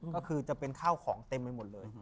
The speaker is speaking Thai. ก็คือจะเป็นข้าวของเต็มไปหมดเลย